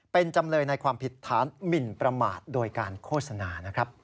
เป็นจำเลยในความผิดฐานหมินประมาทโดยการโฆษณานะครับ